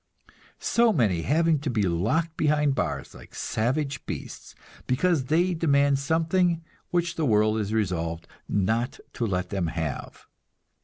So many having to be locked behind bars, like savage beasts, because they demand something which the world is resolved not to let them have!